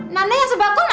nanda yang sebagus mana